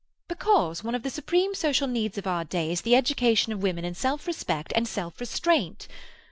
"Because one of the supreme social needs of our day is the education of women in self respect and self restraint.